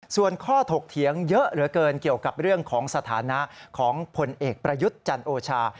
ส่วนข้อถกเถียงเยอะเหลือเกินเกี่ยวกับเรื่องของสถานะของผลเอกประยุทธ์จันโอชา